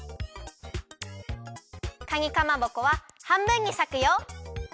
かにかまぼこははんぶんにさくよ。